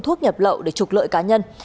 thuốc nhập lậu để trục lợi cá nhân